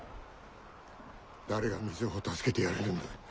誰が瑞穂を助けてやれるんだ。